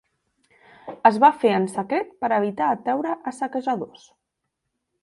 Es va fer en secret per evitar atraure a saquejadors.